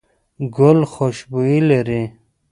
ګل خوشبويي لري.